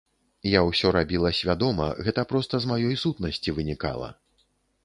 Я ўсё рабіла свядома, гэта проста з маёй сутнасці вынікала.